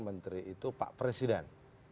menteri itu pak presiden